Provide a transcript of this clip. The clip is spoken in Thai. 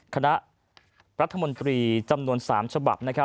คณะรัฐมนตรีจำนวน๓ฉบับ